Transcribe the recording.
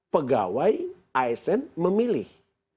pegawai asn memilih